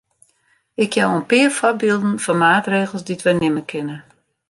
Ik jou in pear foarbylden fan maatregels dy't wy nimme kinne.